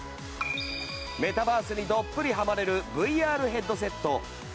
メタバースにどっぷりハマれるＶＲヘッドセット